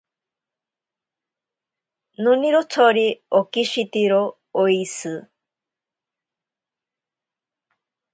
Nonirotsori okishitiro oishi.